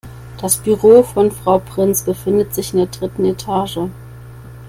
Das Büro von Frau Prinz befindet sich in der dritten Etage.